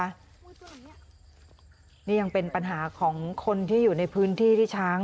นี่ยังเป็นปัญหาของคนที่อยู่ในพื้นที่ที่ช้าง